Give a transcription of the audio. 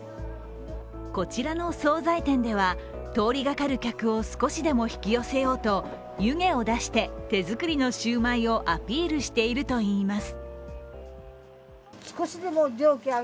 こちらの総菜店では、通りがかる客を少しでも引き寄せようと湯気を出して、手作りのシューマイをアピールしているといいます。